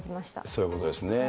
そういうことですね。